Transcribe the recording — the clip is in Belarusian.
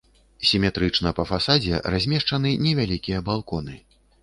Сіметрычна па фасадзе размешчаны невялікія балконы.